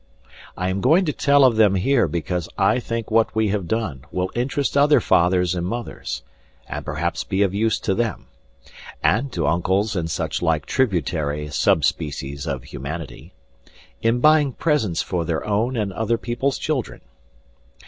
I am going to tell of them here because I think what we have done will interest other fathers and mothers, and perhaps be of use to them (and to uncles and such like tributary sub species of humanity) in buying presents for their own and other people's children.